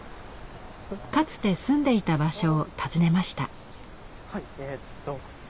かつて住んでいた場所を訪ねました。